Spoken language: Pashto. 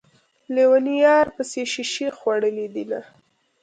ليونی يار پسې شيشې خوړلي دينه